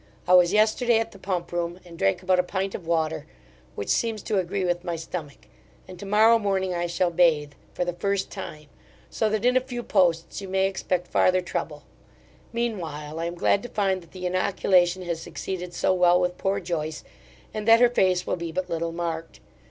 I was yesterday at the Pump room, and drank about a pint of water, which seems to agree with my stomach; and to morrow morning I shall bathe, for the first time; so that in a few posts you may expect farther trouble; mean while, I am glad to find that the inoculation has succeeded so well with poor Joyce, and that her face will be but little marked.